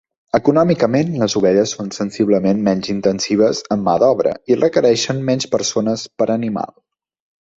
Econòmicament, les ovelles són sensiblement menys intensives en mà d'obra i requereixen menys persones per animal.